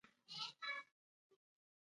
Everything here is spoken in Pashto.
الله ج هر څه په حکمت سره پیدا کړي